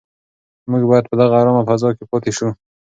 موږ باید په دغه ارامه فضا کې پاتې شو.